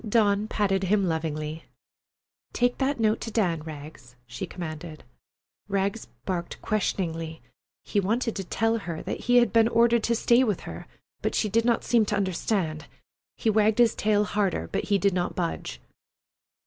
Dawn patted him lovingly. "Take that note to Dan, Rags," she commanded. Rags barked questioningly. He wanted to tell her that he had been ordered to stay with her, but she did not seem to understand. He wagged his tail harder, but he did not budge.